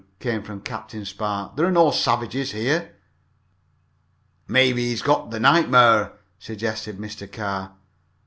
came from Captain Spark. "There are no savages here!" "Maybe he's got the nightmare," suggested Mr. Carr.